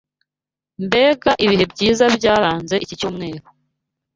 Mbega ibihe byiza byaranze iki cyumweru